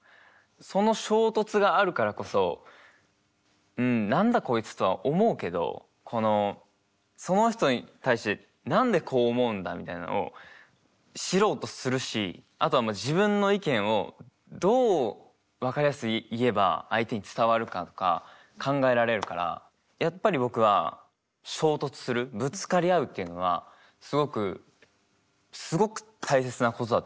その衝突があるからこそ何だこいつとは思うけどこのその人に対して何でこう思うんだみたいなのを知ろうとするしあとは自分の意見をどう分かりやすく言えば相手に伝わるかとか考えられるからやっぱり僕は衝突するぶつかり合うっていうのはすごくすごく大切なことだと思うんですよ。